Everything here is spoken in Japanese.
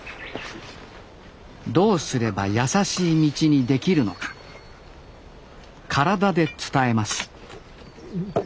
どうすればやさしい道にできるのか体で伝えます